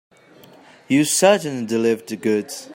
You certainly delivered the goods.